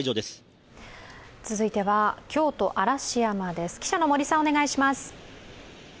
続いては京都・嵐山です。